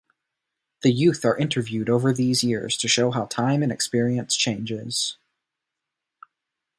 The youth are interviewed over these years to show how time and experience changes.